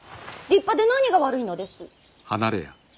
立派で何が悪いのです。